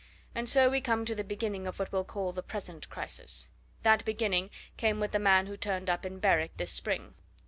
And so we come to the beginning of what we'll call the present crisis. That beginning came with the man who turned up in Berwick this spring."